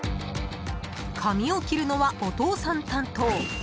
紙を切るのは、お父さん担当。